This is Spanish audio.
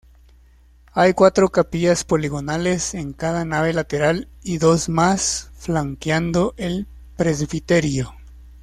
Hay cuatro capillas poligonales en cada nave lateral y dos más flanqueando el presbiterio.